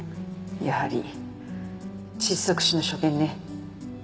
やはり窒息死の所見ね。